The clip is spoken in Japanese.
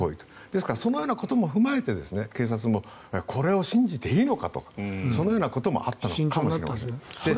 ですからそのようなことも踏まえて警察もこれを信じていいのかとそのようなこともあったのかもしれません。